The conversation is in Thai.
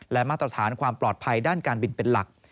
และมาตรฐานความปลอดภัยด้านการบินเป็นหลัก